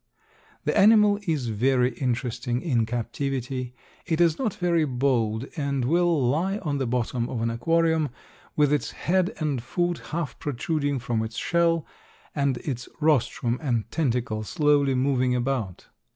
The animal is very interesting in captivity. It is not very bold and will lie on the bottom of an aquarium with its head and foot half protruding from its shell, and its rostrum and tentacles slowly moving about.